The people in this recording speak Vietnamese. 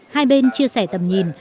hai bên chia sẻ tầm nhìn